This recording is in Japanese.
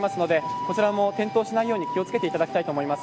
こちらも転倒しないように気を付けていただきたいと思います。